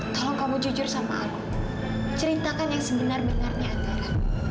kalau kamu jujur sama aku ceritakan yang sebenar benarnya antara